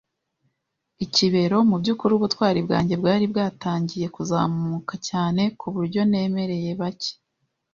ikibero. Mubyukuri ubutwari bwanjye bwari bwatangiye kuzamuka cyane kuburyo nemereye bake